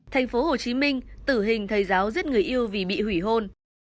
thành phố hồ chí minh tử hình thầy giáo giết người yêu vì bị hủy hôn